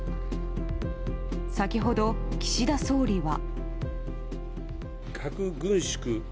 先ほど、岸田総理は。